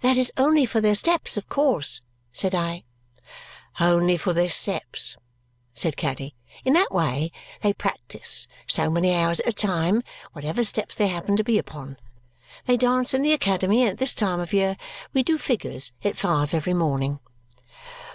"That is only for their steps, of course?" said I. "Only for their steps," said Caddy. "In that way they practise, so many hours at a time, whatever steps they happen to be upon. They dance in the academy, and at this time of year we do figures at five every morning."